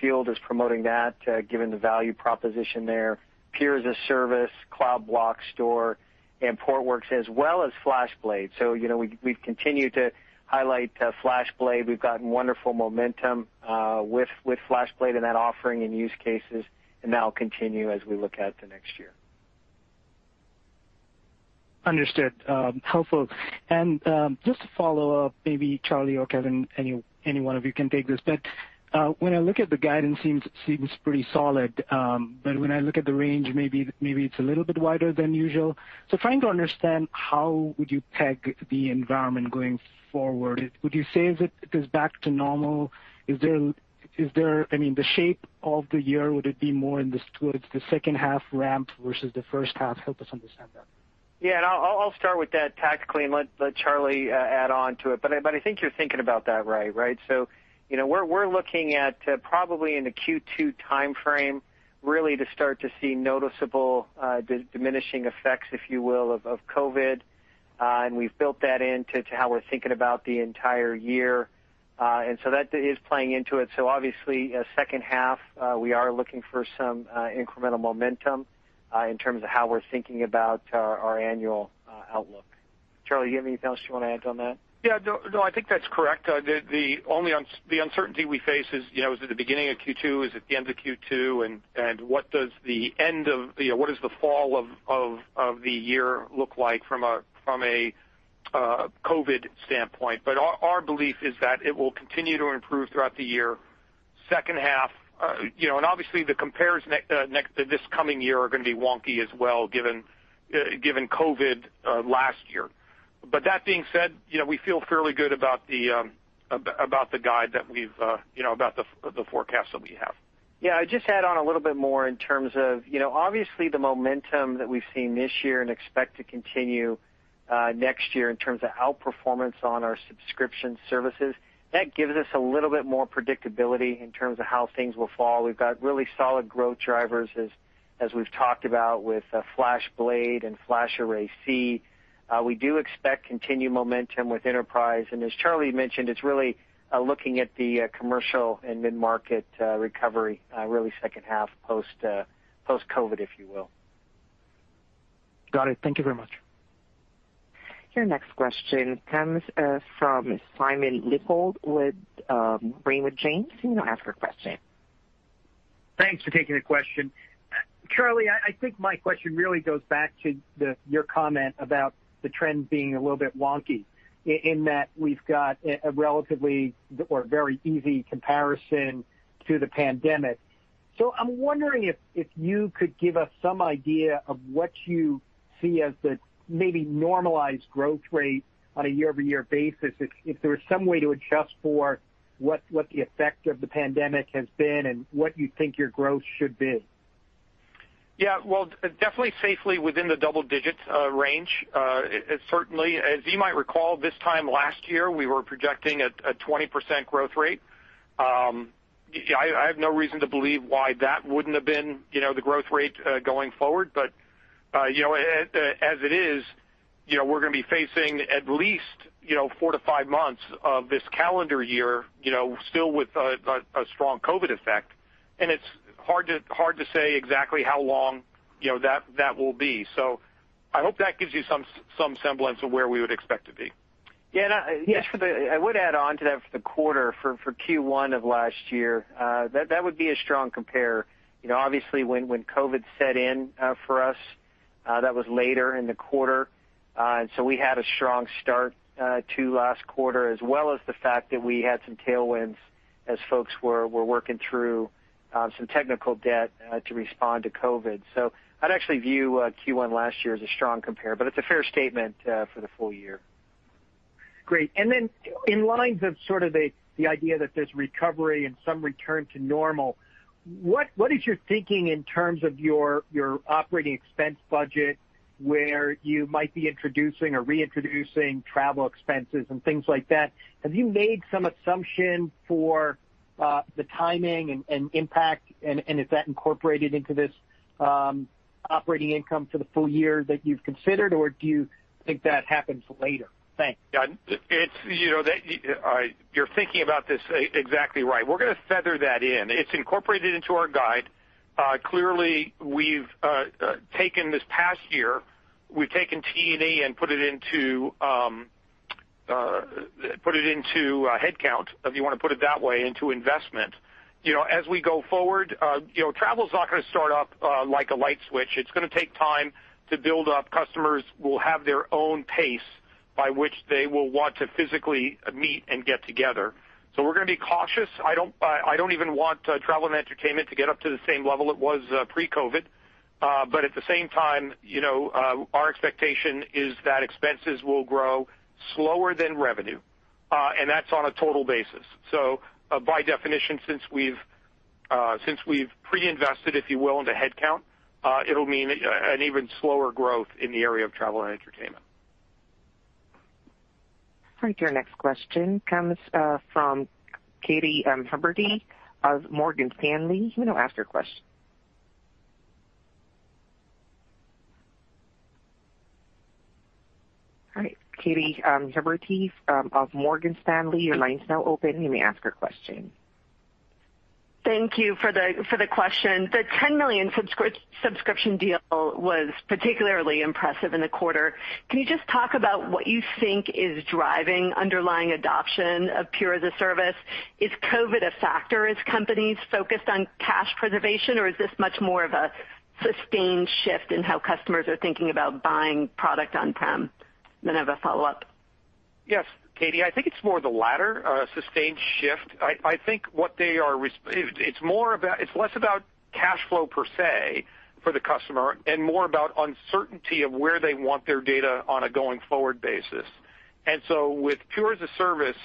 field is promoting that given the value proposition there. Pure as-a-Service, Cloud Block Store, and Portworx, as well as FlashBlade. You know, we've continued to highlight FlashBlade. We've gotten wonderful momentum with FlashBlade and that offering and use cases, and that'll continue as we look out to next year. Understood. Helpful. Just to follow up, maybe Charlie or Kevan, any one of you can take this. When I look at the guidance, seems pretty solid. When I look at the range, maybe it's a little bit wider than usual. Trying to understand how would you peg the environment going forward? Would you say it is back to normal? Is there, I mean, the shape of the year, would it be more in the towards the second half ramp versus the first half? Help us understand that. I'll start with that tactically and let Charlie add on to it. I think you're thinking about that right? You know, we're looking at probably in the Q2 timeframe, really to start to see noticeable diminishing effects, if you will, of COVID. We've built that in to how we're thinking about the entire year. That is playing into it. Obviously, second half, we are looking for some incremental momentum in terms of how we're thinking about our annual outlook. Charlie, you have anything else you wanna add on that? No, no, I think that's correct. The only uncertainty we face is, you know, is it the beginning of Q2? Is it the end of Q2? What does the fall of the year look like from a COVID standpoint? Our belief is that it will continue to improve throughout the year. Second half, you know, obviously the compares this coming year are gonna be wonky as well, given COVID last year. That being said, you know, we feel fairly good about the about the guide that we've, you know, about the forecast that we have. Yeah. I'd just add on a little bit more in terms of, you know, obviously the momentum that we've seen this year and expect to continue next year in terms of outperformance on our subscription services, that gives us a little bit more predictability in terms of how things will fall. We've got really solid growth drivers as we've talked about with FlashBlade and FlashArray//C. We do expect continued momentum with enterprise, and as Charlie mentioned, it's really looking at the commercial and mid-market recovery really second half post-COVID, if you will. Got it. Thank you very much. Your next question comes from Simon Leopold with Raymond James. You may now ask your question. Thanks for taking the question. Charlie, I think my question really goes back to your comment about the trends being a little bit wonky in that we've got a relatively or very easy comparison to the pandemic. I'm wondering if you could give us some idea of what you see as the maybe normalized growth rate on a year-over-year basis, if there was some way to adjust for what the effect of the pandemic has been and what you think your growth should be. Yeah. Well, definitely safely within the double digits, range. Certainly, as you might recall, this time last year, we were projecting a 20% growth rate. Yeah, I have no reason to believe why that wouldn't have been, you know, the growth rate going forward. You know, as it is, you know, we're gonna be facing at least, you know, 4-5 months of this calendar year, you know, still with a strong COVID effect, and it's hard to say exactly how long, you know, that will be. I hope that gives you some semblance of where we would expect to be. Yeah. Just for the I would add on to that for the quarter for Q1 of last year, that would be a strong compare. You know, obviously when COVID-19 set in for us, that was later in the quarter. We had a strong start to last quarter, as well as the fact that we had some tailwinds as folks were working through some technical debt to respond to COVID-19. I'd actually view Q1 last year as a strong compare, but it's a fair statement for the full year. Great. In lines of sort of the idea that there's recovery and some return to normal, what is your thinking in terms of your OpEx budget, where you might be introducing or reintroducing T&E and things like that? Have you made some assumption for the timing and impact and is that incorporated into this operating income for the full year that you've considered, or do you think that happens later? Thanks. Yeah. It's, you know, that, you're thinking about this exactly right. We're gonna feather that in. It's incorporated into our guide. Clearly, we've taken this past year, we've taken T&E and put it into, put it into headcount, if you wanna put it that way, into investment. You know, as we go forward, you know, travel's not gonna start up like a light switch. It's gonna take time to build up. Customers will have their own pace by which they will want to physically meet and get together. We're gonna be cautious. I don't even want travel and entertainment to get up to the same level it was pre-COVID. But at the same time, you know, our expectation is that expenses will grow slower than revenue, and that's on a total basis. By definition, since we've pre-invested, if you will, into headcount, it'll mean an even slower growth in the area of travel and entertainment. All right, your next question comes from Katy Huberty of Morgan Stanley. You may now ask your question. All right. Katy Huberty of Morgan Stanley, your line is now open. You may ask your question. Thank you for the, for the question. The $10 million subscription deal was particularly impressive in the quarter. Can you just talk about what you think is driving underlying adoption of Pure as-a-Service? Is COVID a factor? Is companies focused on cash preservation, or is this much more of a sustained shift in how customers are thinking about buying product on-prem? I have a follow-up. Yes, Katy. I think it's more the latter, sustained shift. I think what they are It's less about cash flow per se for the customer and more about uncertainty of where they want their data on a going forward basis. With Pure as-a-Service,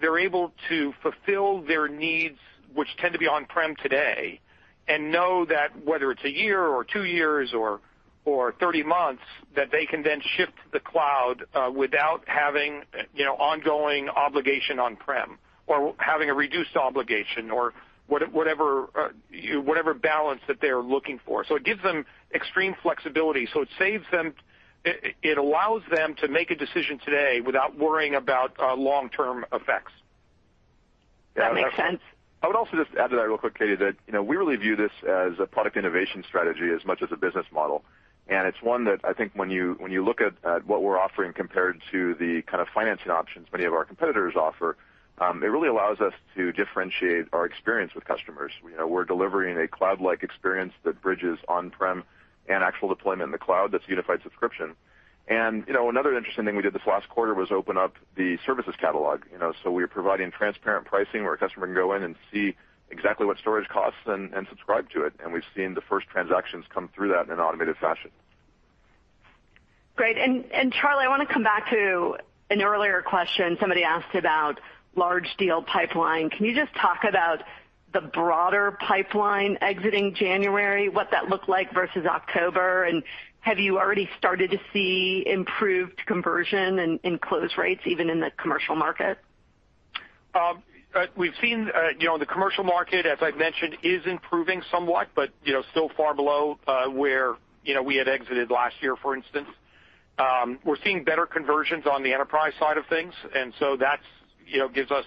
they're able to fulfill their needs, which tend to be on-prem today, and know that whether it's a year or two years or 30 months, that they can then shift to the cloud, without having, you know, ongoing obligation on-prem or having a reduced obligation or whatever balance that they're looking for. It gives them extreme flexibility. It saves them. It allows them to make a decision today without worrying about long-term effects. That makes sense. I would also just add to that real quick, Katy, that, you know, we really view this as a product innovation strategy as much as a business model. It's one that I think when you look at what we're offering compared to the kind of financing options many of our competitors offer, it really allows us to differentiate our experience with customers. You know, we're delivering a cloud-like experience that bridges on-prem and actual deployment in the cloud that's unified subscription. You know, another interesting thing we did this last quarter was open up the services catalog. You know, we're providing transparent pricing where a customer can go in and see exactly what storage costs and subscribe to it. We've seen the first transactions come through that in an automated fashion. Great. Charlie, I wanna come back to an earlier question. Somebody asked about large deal pipeline. Can you just talk about the broader pipeline exiting January, what that looked like versus October? Have you already started to see improved conversion in close rates, even in the commercial market? We've seen the commercial market, as I've mentioned, is improving somewhat but still far below where we had exited last year, for instance. We're seeing better conversions on the enterprise side of things, that's gives us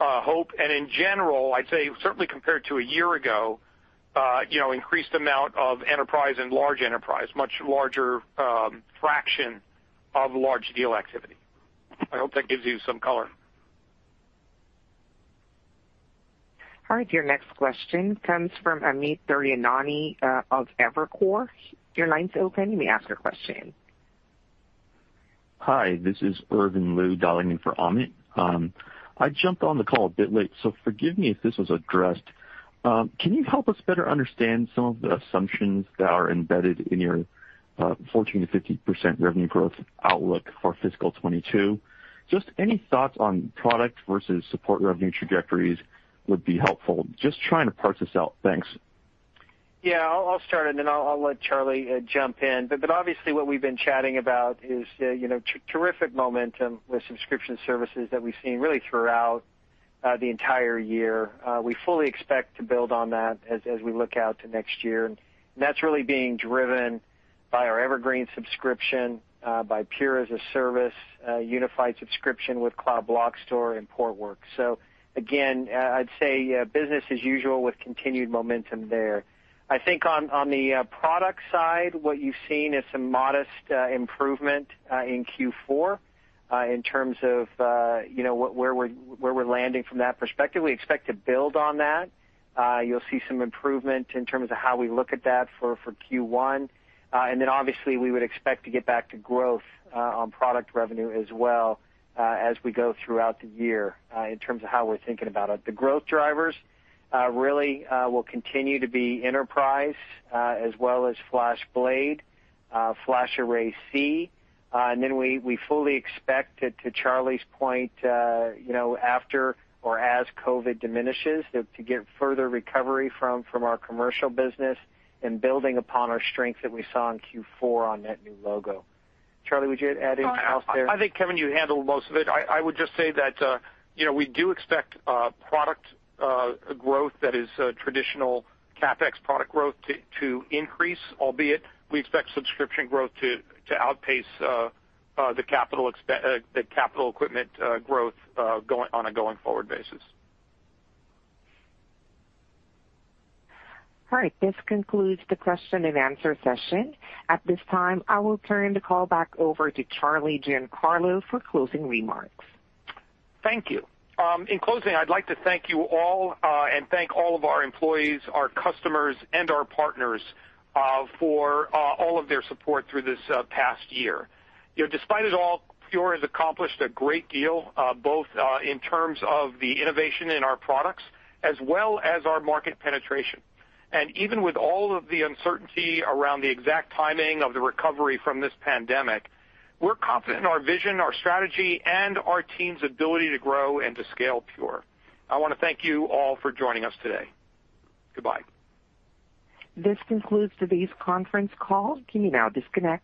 hope. In general, I'd say certainly compared to a year ago, increased amount of enterprise and large enterprise, much larger, fraction of large deal activity. I hope that gives you some color. All right, your next question comes from Amit Daryanani of Evercore. Your line's open. You may ask your question. Hi, this is Irvin Liu dialing in for Amit. I jumped on the call a bit late, so forgive me if this was addressed. Can you help us better understand some of the assumptions that are embedded in your 14% to 15% revenue growth outlook for fiscal 2022? Just any thoughts on product versus support revenue trajectories would be helpful. Just trying to parse this out. Thanks. Yeah, I'll start and then I'll let Charlie jump in. Obviously what we've been chatting about is, you know, terrific momentum with subscription services that we've seen really throughout the entire year. We fully expect to build on that as we look out to next year. That's really being driven by our Evergreen subscription, by Pure as-a-Service, unified subscription with Cloud Block Store and Portworx. Again, I'd say business as usual with continued momentum there. I think on the product side, what you've seen is some modest improvement in Q4 in terms of, you know, where we're landing from that perspective. We expect to build on that. You'll see some improvement in terms of how we look at that for Q1. And then obviously we would expect to get back to growth on product revenue as well as we go throughout the year in terms of how we're thinking about it. The growth drivers really will continue to be enterprise as well as FlashBlade, FlashArray//C. Then we fully expect to Charlie's point, you know, after or as COVID diminishes, to get further recovery from our commercial business and building upon our strength that we saw in Q4 on net new logo. Charlie, would you add anything else there? No, I think, Kevan, you handled most of it. I would just say that, you know, we do expect product growth that is traditional CapEx product growth to increase, albeit we expect subscription growth to outpace the capital equipment growth on a going forward basis. All right. This concludes the question and answer session. At this time, I will turn the call back over to Charlie Giancarlo for closing remarks. Thank you. In closing, I'd like to thank you all, and thank all of our employees, our customers, and our partners, for all of their support through this past year. You know, despite it all, Pure has accomplished a great deal, both in terms of the innovation in our products as well as our market penetration. Even with all of the uncertainty around the exact timing of the recovery from this pandemic, we're confident in our vision, our strategy, and our team's ability to grow and to scale Pure. I wanna thank you all for joining us today. Goodbye. This concludes today's conference call. You may now disconnect.